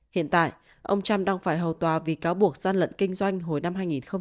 hiện tại ông trump đang phải hầu tòa vì cáo buộc gian lận kinh doanh hồi năm hai nghìn một mươi